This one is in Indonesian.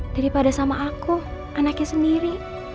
daripada sama aku anaknya sendiri